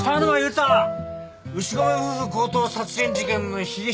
牛込夫婦強盗殺人事件の被疑者。